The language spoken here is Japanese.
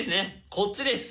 こっちです。